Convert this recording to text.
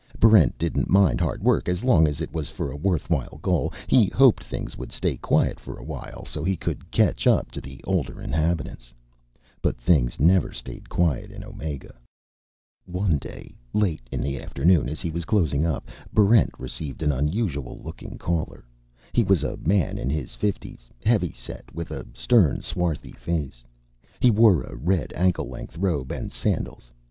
Barrent didn't mind hard work as long as it was for a worthwhile goal. He hoped things would stay quiet for a while so he could catch up to the older inhabitants. But things never stayed quiet in Omega. One day, late in the afternoon as he was closing up, Barrent received an unusual looking caller. He was a man in his fifties, heavy set, with a stern, swarthy face. He wore a red ankle length robe and sandals.